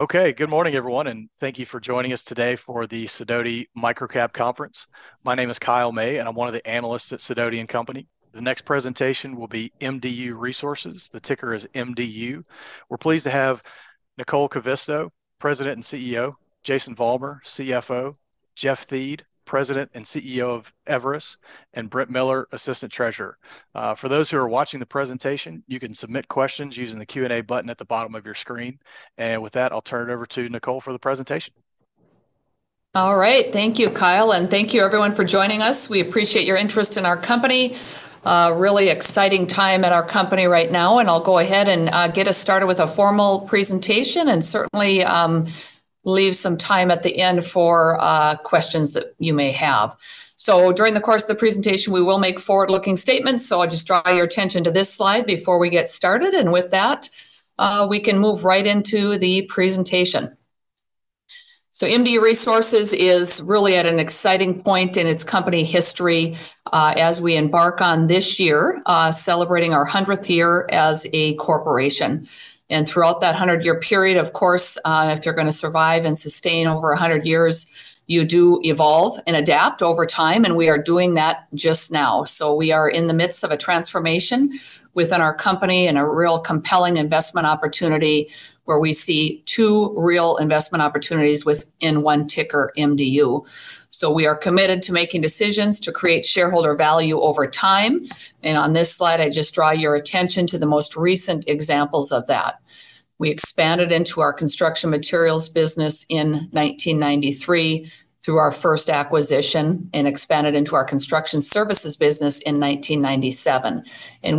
Okay, good morning, everyone, and thank you for joining us today for the Sidoti Microcap Conference. My name is Kyle May, and I'm one of the analysts at Sidoti and Company. The next presentation will be MDU Resources, the ticker is MDU. We're pleased to have Nicole Kivisto, President and CEO, Jason Vollmer, CFO, Jeff Thiede, President and CEO of Everus, and Brent Miller, Assistant Treasurer. For those who are watching the presentation, you can submit questions using the Q&A button at the bottom of your screen. And with that, I'll turn it over to Nicole for the presentation. All right, thank you, Kyle, and thank you, everyone, for joining us. We appreciate your interest in our company. Really exciting time at our company right now, and I'll go ahead and get us started with a formal presentation and certainly leave some time at the end for questions that you may have. So during the course of the presentation, we will make forward-looking statements, so I'll just draw your attention to this slide before we get started, and with that, we can move right into the presentation. So MDU Resources is really at an exciting point in its company history as we embark on this year, celebrating our 100th year as a corporation. And throughout that 100-years per iod, of course, if you're going to survive and sustain over 100 years, you do evolve and adapt over time, and we are doing that just now. So we are in the midst of a transformation within our company and a real compelling investment opportunity where we see two real investment opportunities within one ticker, MDU. So we are committed to making decisions to create shareholder value over time, and on this slide, I just draw your attention to the most recent examples of that. We expanded into our construction materials business in 1993 through our first acquisition and expanded into our construction services business in 1997.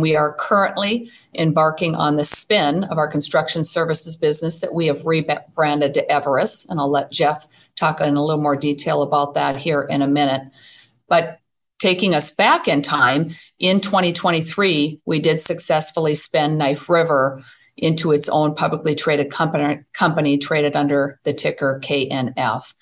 We are currently embarking on the spin of our construction services business that we have rebranded to Everus, and I'll let Jeff talk in a little more detail about that here in a minute. But taking us back in time, in 2023, we did successfully spin Knife River into its own publicly traded company traded under the ticker KNF.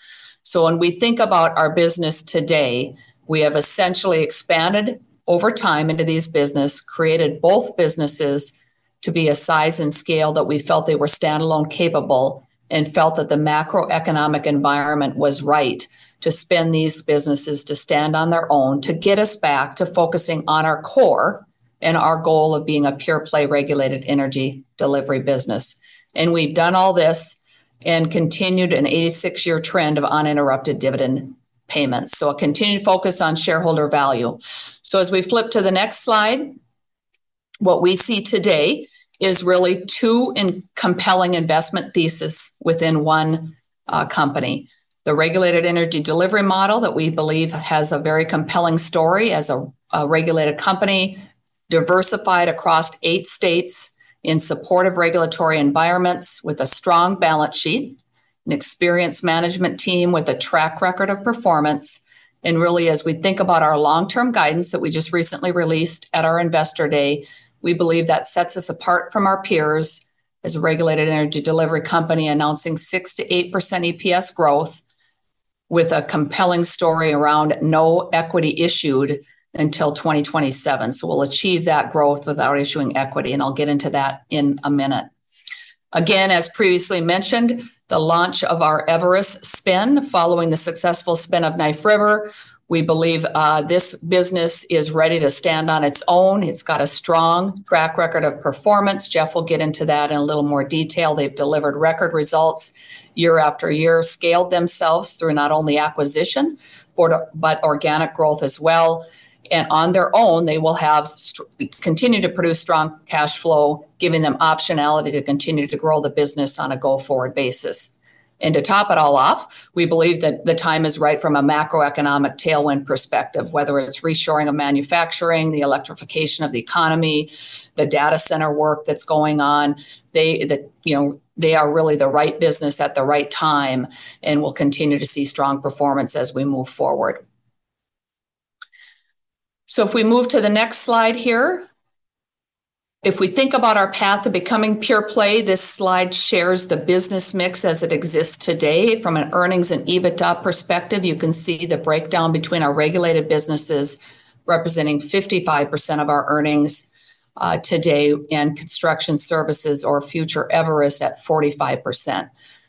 So when we think about our business today, we have essentially expanded over time into these businesses, created both businesses to be a size and scale that we felt they were standalone capable, and felt that the macroeconomic environment was right to spin these businesses to stand on their own to get us back to focusing on our core and our goal of being a pure-play regulated energy delivery business. And we've done all this and continued an 86-years trend of uninterrupted dividend payments, so a continued focus on shareholder value. As we flip to the next slide, what we see today is really two compelling investment theses within one company: the regulated energy delivery model that we believe has a very compelling story as a regulated company, diversified across eight states in supportive regulatory environments with a strong balance sheet, an experienced management team with a track record of performance. Really, as we think about our long-term guidance that we just recently released at our Investor Day, we believe that sets us apart from our peers as a regulated energy delivery company announcing 6%-8% EPS growth with a compelling story around no equity issued until 2027. We'll achieve that growth without issuing equity, and I'll get into that in a minute. Again, as previously mentioned, the launch of our Everus spin following the successful spin of Knife River, we believe this business is ready to stand on its own. It's got a strong track record of performance. Jeff will get into that in a little more detail. They've delivered record results year after year, scaled themselves through not only acquisition but organic growth as well. On their own, they will continue to produce strong cash flow, giving them optionality to continue to grow the business on a go-forward basis. To top it all off, we believe that the time is right from a macroeconomic tailwind perspective, whether it's reshoring of manufacturing, the electrification of the economy, the data center work that's going on. They are really the right business at the right time and will continue to see strong performance as we move forward. So if we move to the next slide here, if we think about our path to becoming pure play, this slide shares the business mix as it exists today. From an earnings and EBITDA perspective, you can see the breakdown between our regulated businesses representing 55% of our earnings today and construction services or future Everus at 45%.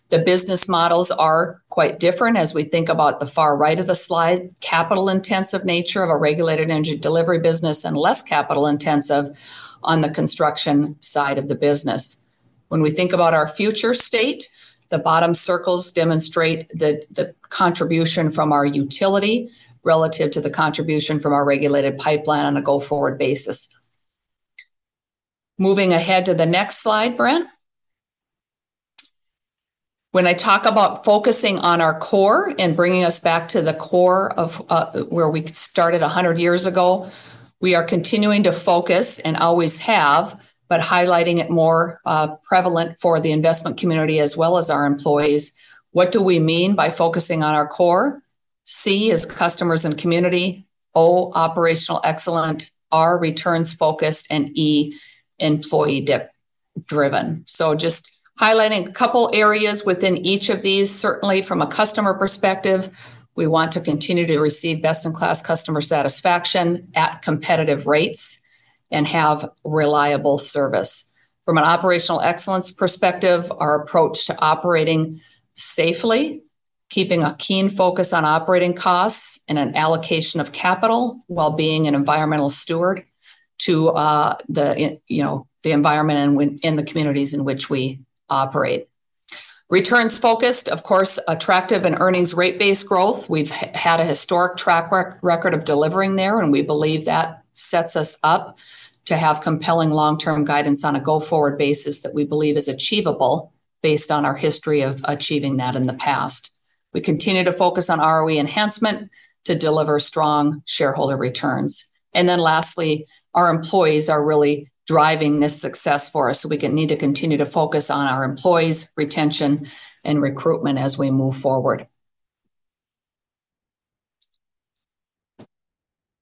The business models are quite different. As we think about the far right of the slide, capital-intensive nature of a regulated energy delivery business and less capital-intensive on the construction side of the business. When we think about our future state, the bottom circles demonstrate the contribution from our utility relative to the contribution from our regulated pipeline on a go-forward basis. Moving ahead to the next slide, Brent. When I talk about focusing on our core and bringing us back to the core of where we started 100 years ago, we are continuing to focus and always have, but highlighting it more prevalent for the investment community as well as our employees. What do we mean by focusing on our core? C is customers and community. O, operational excellence. R, returns focused. And E, employee-driven. So just highlighting a couple of areas within each of these, certainly from a customer perspective, we want to continue to receive best-in-class customer satisfaction at competitive rates and have reliable service. From an operational excellence perspective, our approach to operating safely, keeping a keen focus on operating costs and an allocation of capital while being an environmental steward to the environment and the communities in which we operate. Returns focused, of course, attractive and earnings rate-based growth. We've had a historic track record of delivering there, and we believe that sets us up to have compelling long-term guidance on a go-forward basis that we believe is achievable based on our history of achieving that in the past. We continue to focus on ROE enhancement to deliver strong shareholder returns. Then lastly, our employees are really driving this success for us, so we need to continue to focus on our employees' retention and recruitment as we move forward.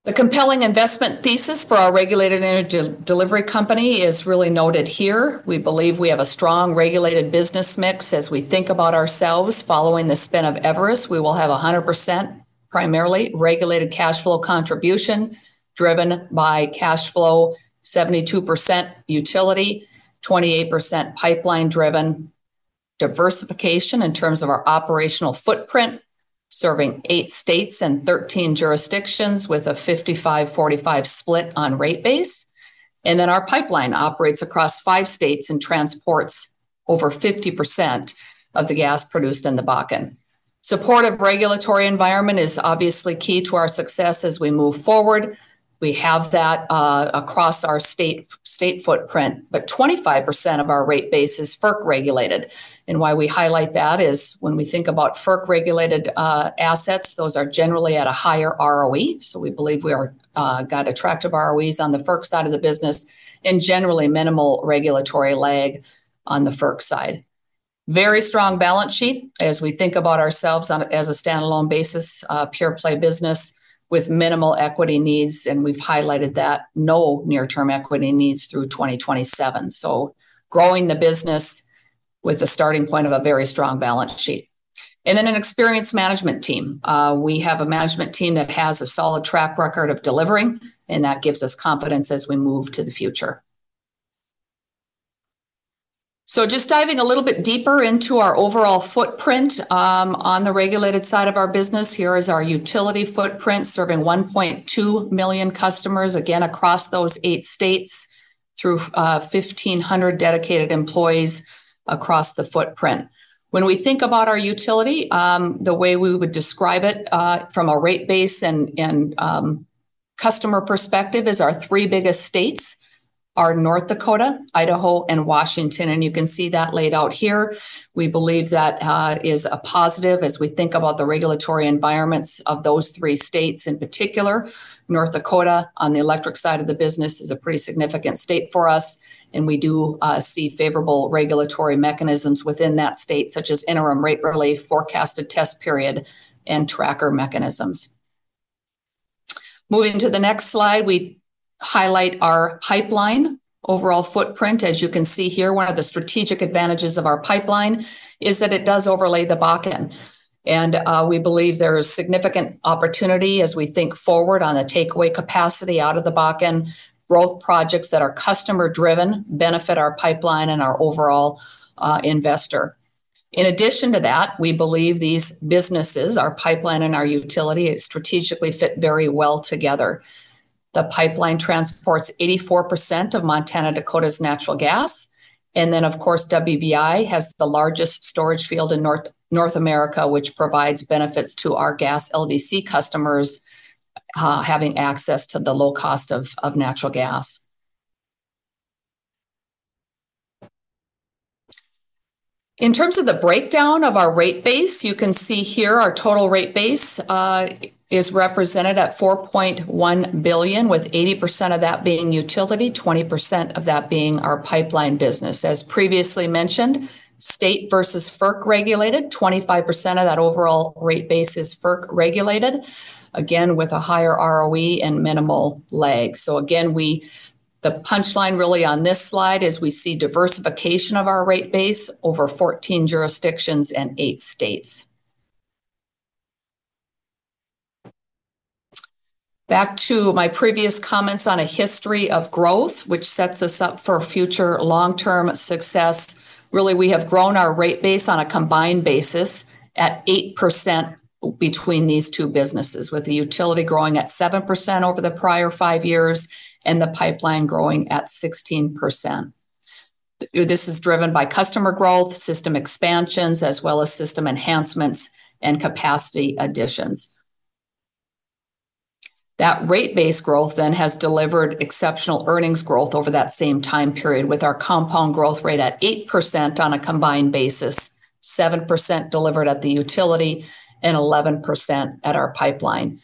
The compelling investment thesis for our regulated energy delivery company is really noted here. We believe we have a strong regulated business mix. As we think about ourselves following the spin of Everus, we will have 100% primarily regulated cash flow contribution driven by cash flow, 72% utility, 28% pipeline driven, diversification in terms of our operational footprint, serving eight states and 13 jurisdictions with a 55%-45% split on rate base. Then our pipeline operates across five states and transports over 50% of the gas produced in the Bakken. Supportive regulatory environment is obviously key to our success as we move forward. We have that across our state footprint, but 25% of our rate base is FERC regulated. Why we highlight that is when we think about FERC-regulated assets, those are generally at a higher ROE. So we believe we got attractive ROEs on the FERC side of the business and generally minimal regulatory lag on the FERC side. Very strong balance sheet as we think about ourselves as a standalone basis, pure play business with minimal equity needs, and we've highlighted that no near-term equity needs through 2027. So growing the business with a starting point of a very strong balance sheet. And then an experienced management team. We have a management team that has a solid track record of delivering, and that gives us confidence as we move to the future. So just diving a little bit deeper into our overall footprint on the regulated side of our business, here is our utility footprint serving 1.2 million customers, again, across those eight states through 1,500 dedicated employees across the footprint. When we think about our utility, the way we would describe it from a Rate Base and customer perspective is our three biggest states are North Dakota, Idaho, and Washington. You can see that laid out here. We believe that is a positive as we think about the regulatory environments of those three states in particular. North Dakota on the electric side of the business is a pretty significant state for us, and we do see favorable regulatory mechanisms within that state such as interim rate relief, forecasted test period, and tracker mechanisms. Moving to the next slide, we highlight our pipeline overall footprint. As you can see here, one of the strategic advantages of our pipeline is that it does overlay the Bakken. We believe there is significant opportunity as we think forward on the takeaway capacity out of the Bakken, growth projects that are customer-driven benefit our pipeline and our overall investor. In addition to that, we believe these businesses, our pipeline and our utility, strategically fit very well together. The pipeline transports 84% of Montana-Dakota's natural gas. Then, of course, WBI has the largest storage field in North America, which provides benefits to our gas LDC customers having access to the low cost of natural gas. In terms of the breakdown of our rate base, you can see here our total rate base is represented at $4.1 billion, with 80% of that being utility, 20% of that being our pipeline business. As previously mentioned, state versus FERC-regulated, 25% of that overall rate base is FERC-regulated, again, with a higher ROE and minimal lag. So again, the punchline really on this slide is we see diversification of our rate base over 14 jurisdictions and eight states. Back to my previous comments on a history of growth, which sets us up for future long-term success. Really, we have grown our rate base on a combined basis at 8% between these two businesses, with the utility growing at 7% over the prior five years and the pipeline growing at 16%. This is driven by customer growth, system expansions, as well as system enhancements and capacity additions. That rate base growth then has delivered exceptional earnings growth over that same time period with our compound growth rate at 8% on a combined basis, 7% delivered at the utility, and 11% at our pipeline.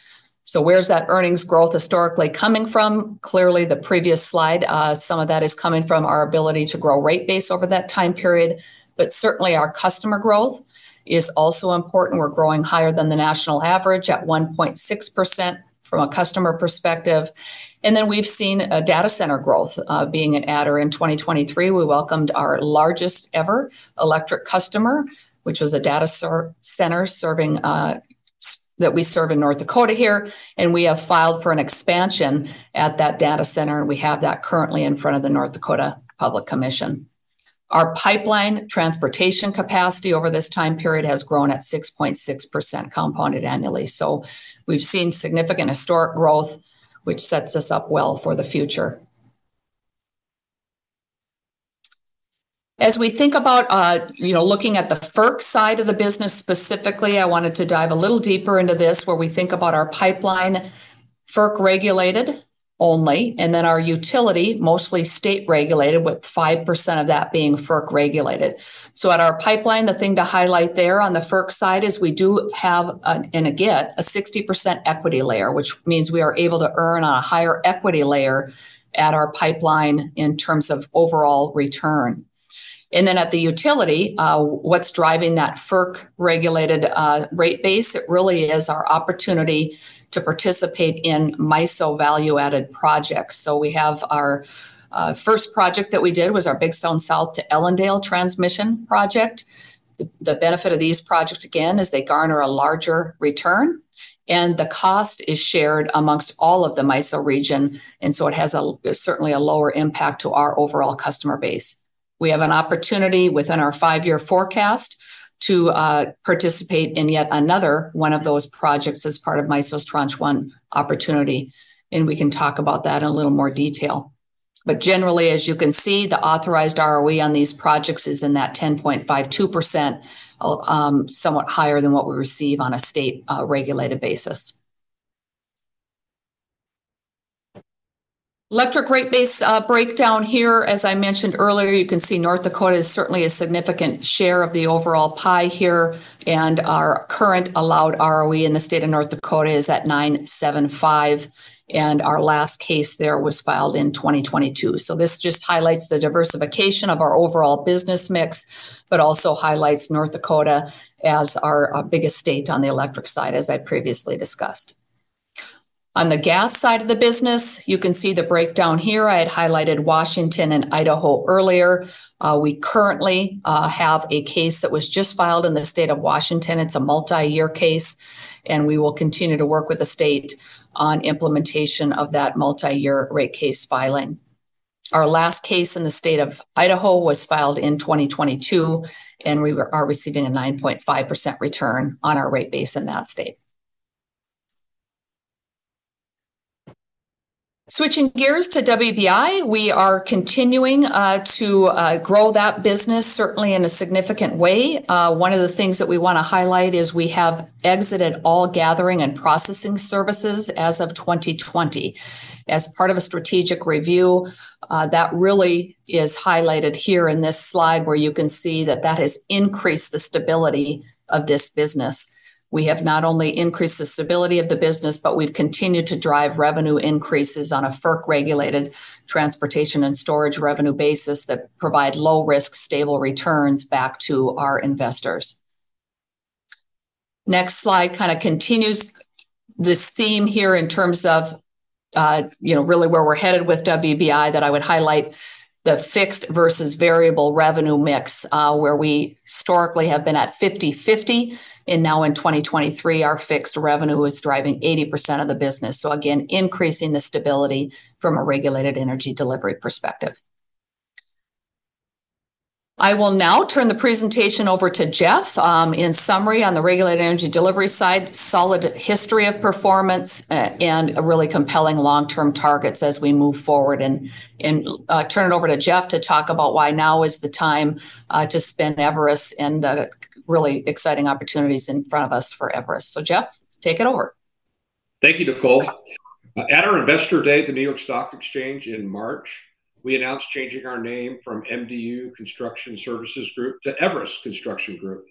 So where's that earnings growth historically coming from? Clearly, the previous slide, some of that is coming from our ability to grow rate base over that time period. But certainly, our customer growth is also important. We're growing higher than the national average at 1.6% from a customer perspective. And then we've seen data center growth being an adder. In 2023, we welcomed our largest ever electric customer, which was a data center that we serve in North Dakota here. We have filed for an expansion at that data center, and we have that currently in front of the North Dakota Public Service Commission. Our pipeline transportation capacity over this time period has grown at 6.6% compounded annually. We've seen significant historic growth, which sets us up well for the future. As we think about looking at the FERC side of the business specifically, I wanted to dive a little deeper into this where we think about our pipeline FERC-regulated only and then our utility mostly state-regulated, with 5% of that being FERC-regulated. So at our pipeline, the thing to highlight there on the FERC side is we do have, and again, a 60% equity layer, which means we are able to earn on a higher equity layer at our pipeline in terms of overall return. And then at the utility, what's driving that FERC-regulated rate base? It really is our opportunity to participate in MISO value-added projects. So we have our first project that we did was our Big Stone South to Ellendale transmission project. The benefit of these projects, again, is they garner a larger return, and the cost is shared among all of the MISO region. And so it has certainly a lower impact to our overall customer base. We have an opportunity within our five-years forecast to participate in yet another one of those projects as part of MISO's tranche one opportunity. We can talk about that in a little more detail. Generally, as you can see, the authorized ROE on these projects is in that 10.52%, somewhat higher than what we receive on a state-regulated basis. Electric rate base breakdown here, as I mentioned earlier, you can see North Dakota is certainly a significant share of the overall pie here. Our current allowed ROE in the state of North Dakota is at 9.75%. Our last case there was filed in 2022. This just highlights the diversification of our overall business mix, but also highlights North Dakota as our biggest state on the electric side, as I previously discussed. On the gas side of the business, you can see the breakdown here. I had highlighted Washington and Idaho earlier. We currently have a case that was just filed in the state of Washington. It's a multi-year case, and we will continue to work with the state on implementation of that multi-year rate case filing. Our last case in the state of Idaho was filed in 2022, and we are receiving a 9.5% return on our rate base in that state. Switching gears to WBI, we are continuing to grow that business, certainly in a significant way. One of the things that we want to highlight is we have exited all gathering and processing services as of 2020. As part of a strategic review, that really is highlighted here in this slide where you can see that that has increased the stability of this business. We have not only increased the stability of the business, but we've continued to drive revenue increases on a FERC-regulated transportation and storage revenue basis that provide low-risk, stable returns back to our investors. Next slide kind of continues this theme here in terms of really where we're headed with WBI that I would highlight the fixed versus variable revenue mix where we historically have been at 50/50. And now in 2023, our fixed revenue is driving 80% of the business. So again, increasing the stability from a regulated energy delivery perspective. I will now turn the presentation over to Jeff. In summary, on the regulated energy delivery side, solid history of performance and really compelling long-term targets as we move forward. And turn it over to Jeff to talk about why now is the time to spin Everus and the really exciting opportunities in front of us for Everus. So Jeff, take it over. Thank you, Nicole. At our investor day, the New York Stock Exchange in March, we announced changing our name from MDU Construction Services Group to Everus Construction Group.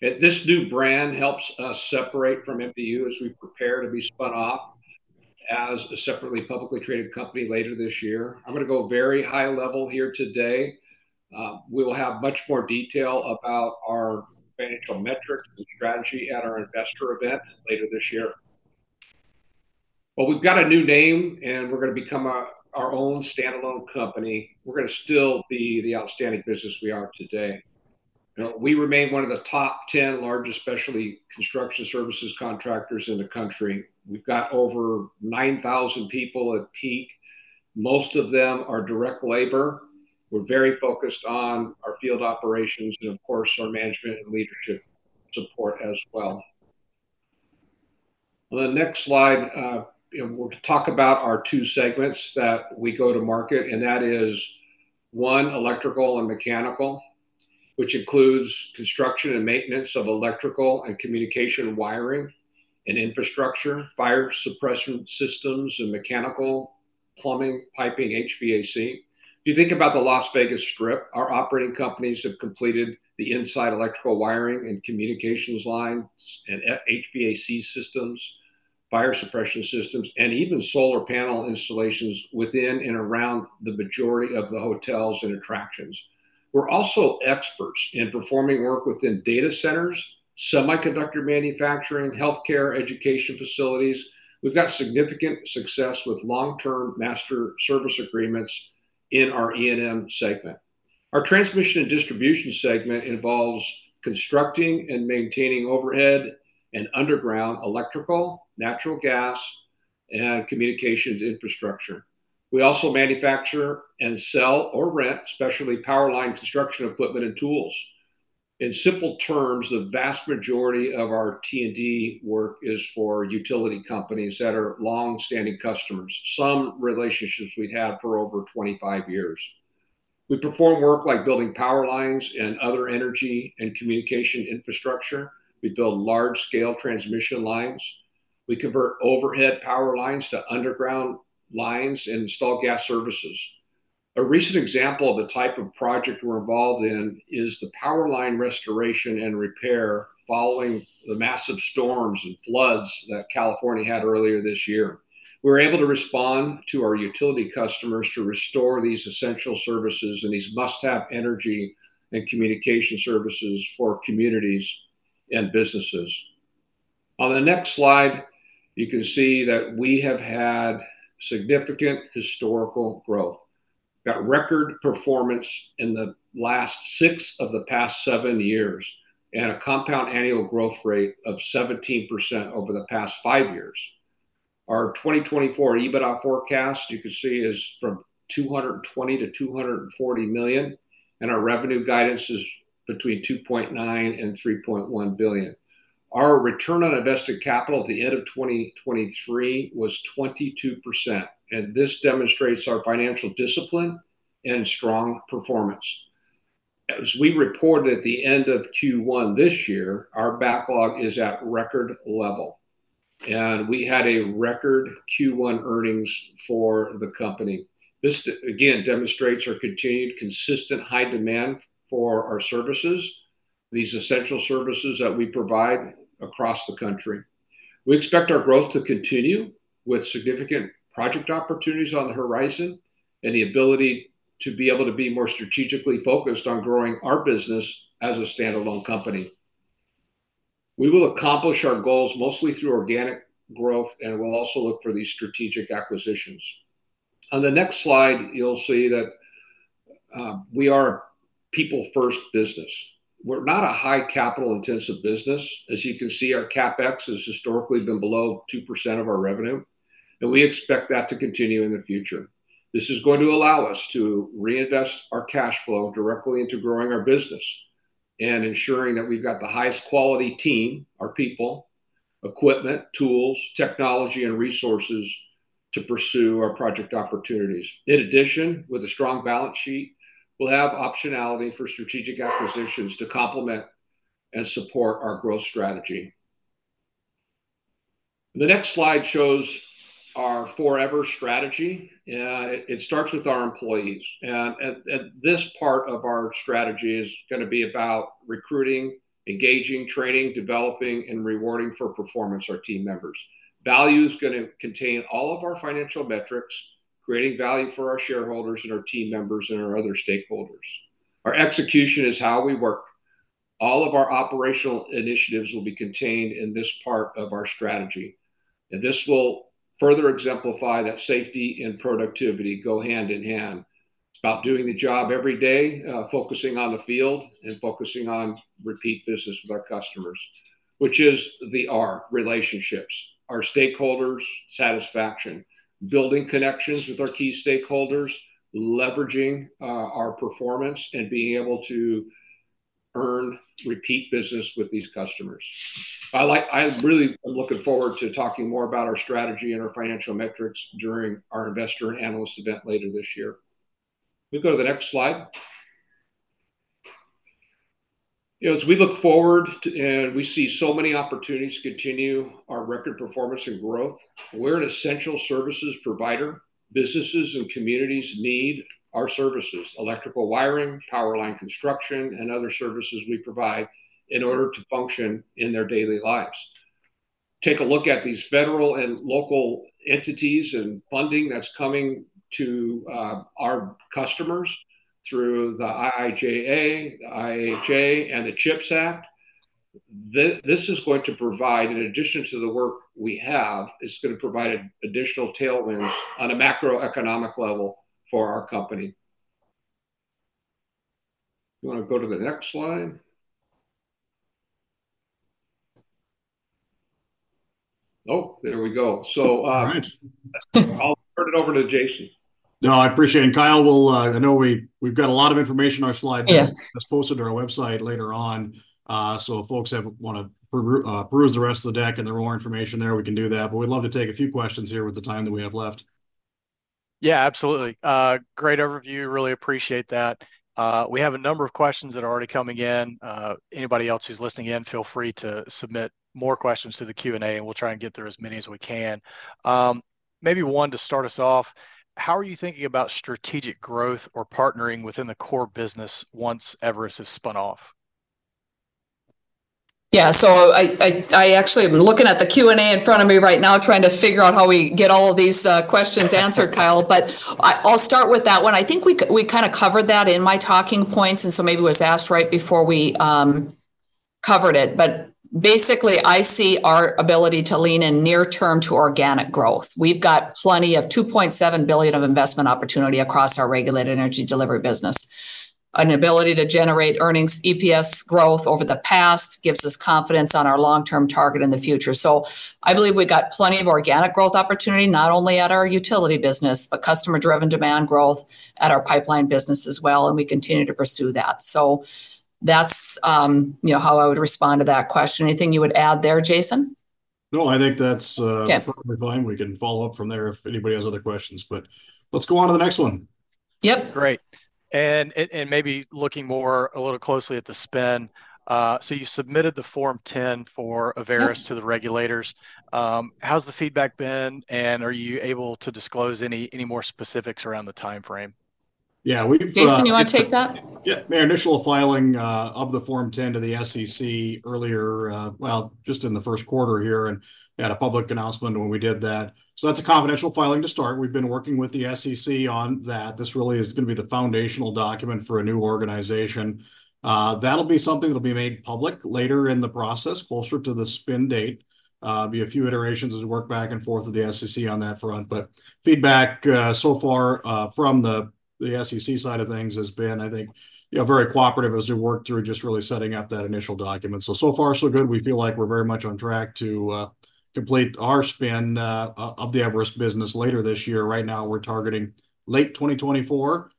This new brand helps us separate from MDU as we prepare to be spun off as a separately publicly traded company later this year. I'm going to go very high level here today. We will have much more detail about our financial metrics and strategy at our investor event later this year. We've got a new name, and we're going to become our own standalone company. We're going to still be the outstanding business we are today. We remain one of the top 10 largest specialty construction services contractors in the country. We've got over 9,000 people at peak. Most of them are direct labor. We're very focused on our field operations and, of course, our management and leadership support as well. On the next slide, we'll talk about our two segments that we go to market. And that is, one, electrical and mechanical, which includes construction and maintenance of electrical and communication wiring and infrastructure, fire suppression systems and mechanical, plumbing, piping, HVAC. If you think about the Las Vegas Strip, our operating companies have completed the inside electrical wiring and communications lines and HVAC systems, fire suppression systems, and even solar panel installations within and around the majority of the hotels and attractions. We're also experts in performing work within data centers, semiconductor manufacturing, healthcare, education facilities. We've got significant success with long-term master service agreements in our E&M segment. Our transmission and distribution segment involves constructing and maintaining overhead and underground electrical, natural gas, and communications infrastructure. We also manufacture and sell or rent specialty power line construction equipment and tools. In simple terms, the vast majority of our T&D work is for utility companies that are longstanding customers, some relationships we've had for over 25 years. We perform work like building power lines and other energy and communication infrastructure. We build large-scale transmission lines. We convert overhead power lines to underground lines and install gas services. A recent example of the type of project we're involved in is the power line restoration and repair following the massive storms and floods that California had earlier this year. We were able to respond to our utility customers to restore these essential services and these must-have energy and communication services for communities and businesses. On the next slide, you can see that we have had significant historical growth. We've got record performance in the last six of the past seven years and a compound annual growth rate of 17% over the past five years. Our 2024 EBITDA forecast, you can see, is from $220 million - $240 million, and our revenue guidance is between $2.9 billion and $3.1 billion. Our return on invested capital at the end of 2023 was 22%. This demonstrates our financial discipline and strong performance. As we report at the end of Q1 this year, our backlog is at record level, and we had a record Q1 earnings for the company. This, again, demonstrates our continued consistent high demand for our services, these essential services that we provide across the country. We expect our growth to continue with significant project opportunities on the horizon and the ability to be able to be more strategically focused on growing our business as a standalone company. We will accomplish our goals mostly through organic growth, and we'll also look for these strategic acquisitions. On the next slide, you'll see that we are a people-first business. We're not a high-capital-intensive business. As you can see, our CapEx has historically been below 2% of our revenue, and we expect that to continue in the future. This is going to allow us to reinvest our cash flow directly into growing our business and ensuring that we've got the highest quality team, our people, equipment, tools, technology, and resources to pursue our project opportunities. In addition, with a strong balance sheet, we'll have optionality for strategic acquisitions to complement and support our growth strategy. The next slide shows our forever strategy. It starts with our employees. And this part of our strategy is going to be about recruiting, engaging, training, developing, and rewarding for performance our team members. Value is going to contain all of our financial metrics, creating value for our shareholders and our team members and our other stakeholders. Our execution is how we work. All of our operational initiatives will be contained in this part of our strategy. This will further exemplify that safety and productivity go hand in hand. It's about doing the job every day, focusing on the field, and focusing on repeat business with our customers, which is the R, relationships, our stakeholders' satisfaction, building connections with our key stakeholders, leveraging our performance, and being able to earn repeat business with these customers. I really am looking forward to talking more about our strategy and our financial metrics during our investor and analyst event later this year. Let me go to the next slide. As we look forward and we see so many opportunities continue our record performance and growth, we're an essential services provider. Businesses and communities need our services, electrical wiring, power line construction, and other services we provide in order to function in their daily lives. Take a look at these federal and local entities and funding that's coming to our customers through the IIJA, the IRA, and the CHIPS Act. This is going to provide, in addition to the work we have, it's going to provide additional tailwinds on a macroeconomic level for our company. You want to go to the next slide? Oh, there we go. So I'll turn it over to Jason. No, I appreciate it. And Kyle, I know we've got a lot of information on our slide. It's posted on our website later on. So if folks want to peruse the rest of the deck and there's more information there, we can do that. But we'd love to take a few questions here with the time that we have left. Yeah, absolutely. Great overview. Really appreciate that. We have a number of questions that are already coming in. Anybody else who's listening in, feel free to submit more questions to the Q&A, and we'll try and get through as many as we can. Maybe one to start us off. How are you thinking about strategic growth or partnering within the core business once Everus is spun off? Yeah. So I actually am looking at the Q&A in front of me right now, trying to figure out how we get all of these questions answered, Kyle. But I'll start with that one. I think we kind of covered that in my talking points, and so maybe it was asked right before we covered it. But basically, I see our ability to lean in near-term to organic growth. We've got plenty of $2.7 billion of investment opportunity across our regulated energy delivery business. An ability to generate earnings, EPS growth over the past gives us confidence on our long-term target in the future. So I believe we've got plenty of organic growth opportunity, not only at our utility business, but customer-driven demand growth at our pipeline business as well. And we continue to pursue that. So that's how I would respond to that question. Anything you would add there, Jason? No, I think that's perfectly fine. We can follow up from there if anybody has other questions. But let's go on to the next one. Yep. Great. And maybe looking more a little closely at the spend. So you submitted the Form 10 for Everus to the regulators. How's the feedback been, and are you able to disclose any more specifics around the timeframe? Yeah. Jason, you want to take that? Yeah. Made our initial filing of the Form 10 to the SEC earlier, well, just in the first quarter here, and had a public announcement when we did that. So that's a confidential filing to start. We've been working with the SEC on that. This really is going to be the foundational document for a new organization. That'll be something that'll be made public later in the process, closer to the spin date. There'll be a few iterations as we work back and forth with the SEC on that front. But feedback so far from the SEC side of things has been, I think, very cooperative as we work through just really setting up that initial document. So far, so good. We feel like we're very much on track to complete our spin of the Everus business later this year. Right now, we're targeting late 2024,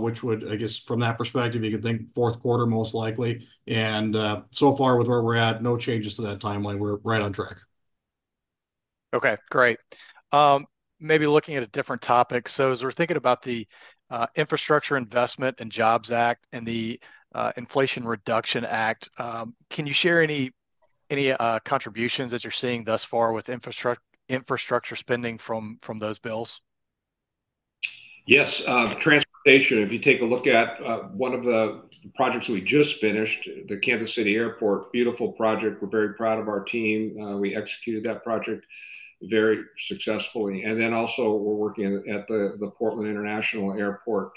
which would, I guess, from that perspective, you could think fourth quarter most likely. So far, with where we're at, no changes to that timeline. We're right on track. Okay. Great. Maybe looking at a different topic. So as we're thinking about the Infrastructure Investment and Jobs Act and the Inflation Reduction Act, can you share any contributions that you're seeing thus far with infrastructure spending from those bills? Yes. Transportation. If you take a look at one of the projects we just finished, the Kansas City Airport, beautiful project. We're very proud of our team. We executed that project very successfully. And then also, we're working at the Portland International Airport.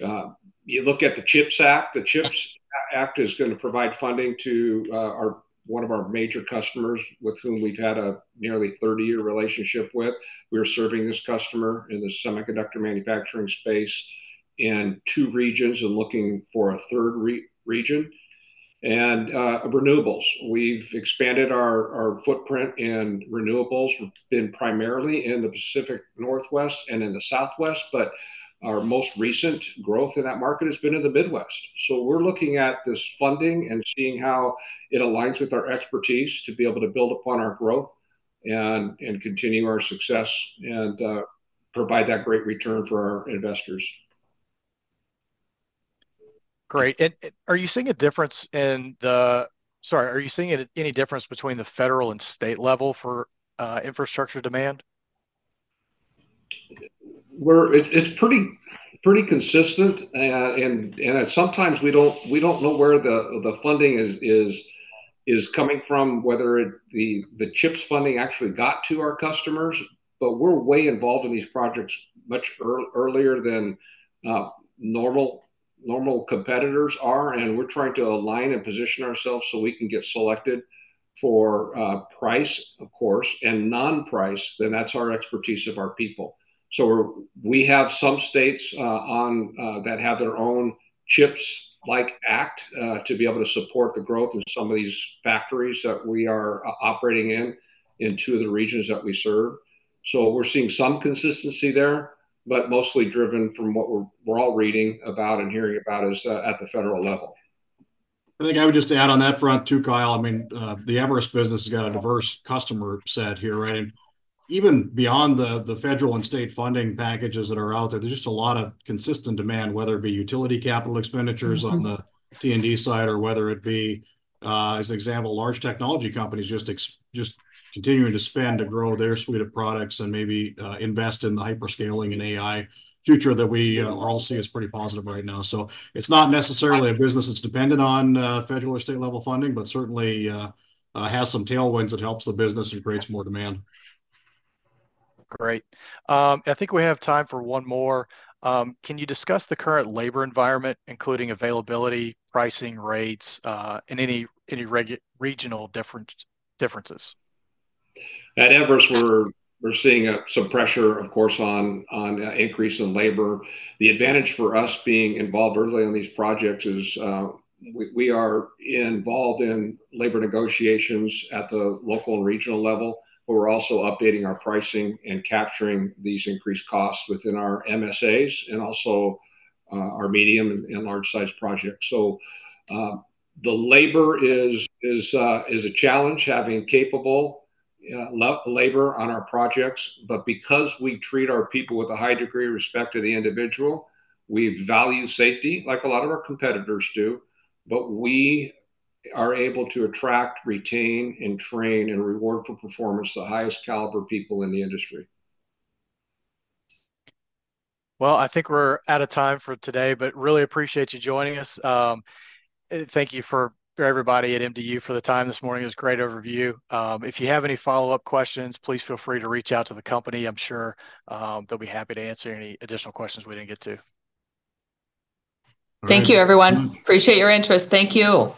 You look at the CHIPS Act, the CHIPS Act is going to provide funding to one of our major customers with whom we've had a nearly 30-years relationship with. We are serving this customer in the semiconductor manufacturing space in two regions and looking for a third region. And renewables. We've expanded our footprint in renewables. We've been primarily in the Pacific Northwest and in the Southwest, but our most recent growth in that market has been in the Midwest. We're looking at this funding and seeing how it aligns with our expertise to be able to build upon our growth and continue our success and provide that great return for our investors. Great. And are you seeing any difference between the federal and state level for infrastructure demand? It's pretty consistent. And sometimes, we don't know where the funding is coming from, whether the CHIPS funding actually got to our customers. But we're way involved in these projects much earlier than normal competitors are. And we're trying to align and position ourselves so we can get selected for price, of course, and non-price, then that's our expertise of our people. So we have some states that have their own CHIPS Act to be able to support the growth in some of these factories that we are operating in, in two of the regions that we serve. So we're seeing some consistency there, but mostly driven from what we're all reading about and hearing about at the federal level. I think I would just add on that front too, Kyle. I mean, the Everus business has got a diverse customer set here, right? And even beyond the federal and state funding packages that are out there, there's just a lot of consistent demand, whether it be utility capital expenditures on the T&D side or whether it be, as an example, large technology companies just continuing to spend to grow their suite of products and maybe invest in the hyperscaling and AI future that we all see as pretty positive right now. So it's not necessarily a business that's dependent on federal or state-level funding, but certainly has some tailwinds that helps the business and creates more demand. Great. I think we have time for one more. Can you discuss the current labor environment, including availability, pricing, rates, and any regional differences? At Everus, we're seeing some pressure, of course, on increase in labor. The advantage for us being involved early on these projects is we are involved in labor negotiations at the local and regional level, but we're also updating our pricing and capturing these increased costs within our MSAs and also our medium and large-sized projects. So the labor is a challenge, having capable labor on our projects. But because we treat our people with a high degree of respect to the individual, we value safety like a lot of our competitors do. But we are able to attract, retain, and train and reward for performance the highest caliber people in the industry. Well, I think we're out of time for today, but really appreciate you joining us. Thank you for everybody at MDU for the time this morning. It was a great overview. If you have any follow-up questions, please feel free to reach out to the company. I'm sure they'll be happy to answer any additional questions we didn't get to. Thank you, everyone. Appreciate your interest. Thank you.